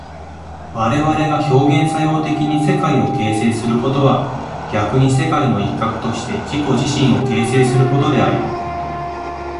我々が表現作用的に世界を形成することは逆に世界の一角として自己自身を形成することであり、